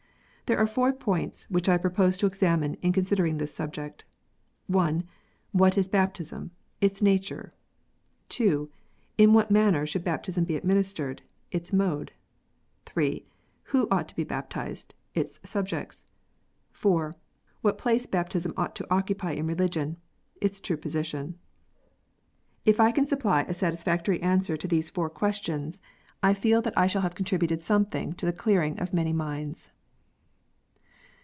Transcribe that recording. There are four points which I propose to examine in considering the subject : I. What baptism is, its nature. II. In what manner baptism should be administered, its mode. III. Whq ought to be baptized, its subjects. IV. What place baptism ought to occupy in religion, its true position. If I can supply a satisfactory answer to these four questions, 87 88 KSOTS UNTIED. I feel that I shall have contributed something to the clearing of many minds.